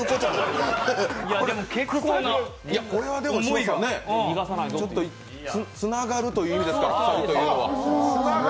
でもこれはね、つながるという意味ですから、鎖というのは。